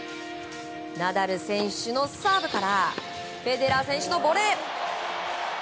ナダル選手のサーブからフェデラー選手のボレー！